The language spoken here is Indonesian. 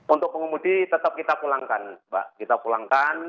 untuk pengemudi tetap kita pulangkan mbak kita pulangkan